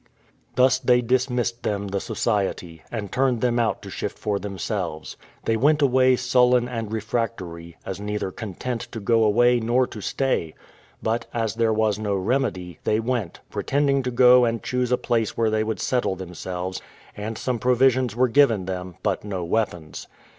Thus they dismissed them the society, and turned them out to shift for themselves. They went away sullen and refractory, as neither content to go away nor to stay: but, as there was no remedy, they went, pretending to go and choose a place where they would settle themselves; and some provisions were given them, but no weapons.